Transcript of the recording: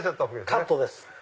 カットです。